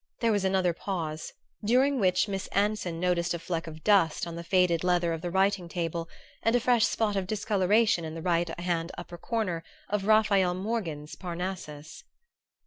There was another pause, during which Miss Anson noticed a fleck of dust on the faded leather of the writing table and a fresh spot of discoloration in the right hand upper corner of Raphael Morghen's "Parnassus."